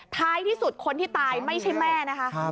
ท้ายที่สุดคนที่ตายไม่ใช่แม่นะคะ